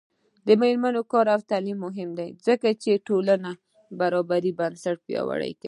د میرمنو کار او تعلیم مهم دی ځکه چې ټولنې برابرۍ بنسټ پیاوړی کوي.